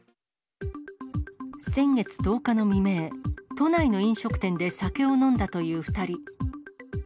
先月１０日の未明、都内の飲食店で酒を飲んだという２人。